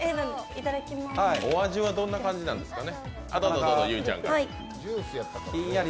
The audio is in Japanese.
お味はどんな感じなんですかね。